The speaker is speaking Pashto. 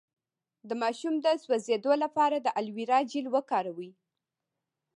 د ماشوم د سوځیدو لپاره د الوویرا جیل وکاروئ